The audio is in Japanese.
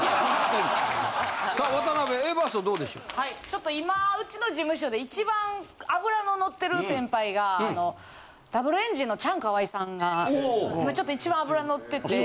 ちょっと今うちの事務所で一番脂ののってる先輩がＷエンジンのチャンカワイさんが今ちょっと一番脂のってて。